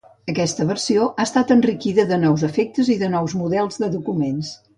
Aquesta versió ha estat enriquida de nous efectes i de nous models de documents.